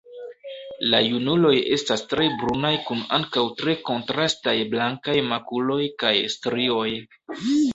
La junuloj estas tre brunaj kun ankaŭ tre kontrastaj blankaj makuloj kaj strioj.